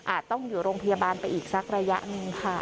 ต้องอยู่โรงพยาบาลไปอีกสักระยะหนึ่งค่ะ